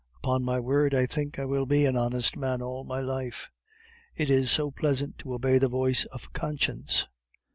"Upon my word, I think I will be an honest man all my life; it is so pleasant to obey the voice of conscience."